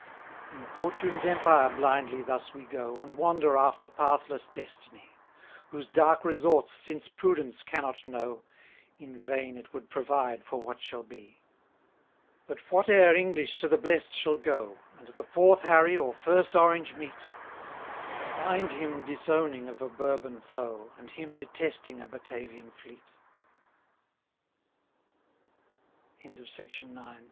200 In fortune's empire blindly thus we go, And wander after pathless destiny; Whose dark resorts since prudence cannot know, In vain it would provide for what shall be. 201 But whate'er English to the bless'd shall go, And the fourth Harry or first Orange meet; Find him disowning of a Bourbon foe, And h